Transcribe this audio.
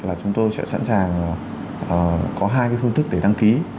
là chúng tôi sẽ sẵn sàng có hai phương thức để đăng ký